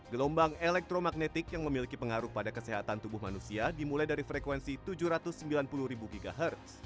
gelombang elektromagnetik yang memiliki pengaruh pada kesehatan tubuh manusia dimulai dari frekuensi tujuh ratus sembilan puluh ribu ghz